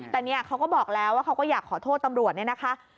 แต่เนี่ยเขาก็บอกแล้วว่าเขาก็อยากขอโทษตำรวจเนี่ยนะคะ